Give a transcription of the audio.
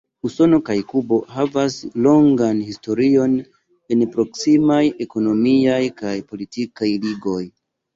Usono kaj Kubo havas longan historion el proksimaj ekonomiaj kaj politikaj ligoj.